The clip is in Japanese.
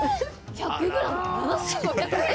１００ｇ７５００円！？